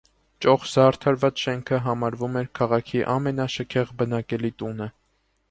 Ճոխ զարդարված շենքը համարվում էր քաղաքի ամենաշքեղ բնակելի տունը։